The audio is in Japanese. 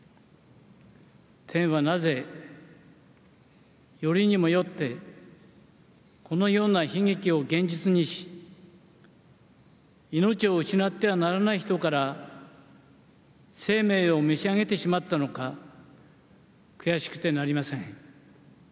天はなぜ、よりにもよってこのような悲劇を現実にし命を失ってはならない人から生命を召し上げてしまったのか悔しくてなりません。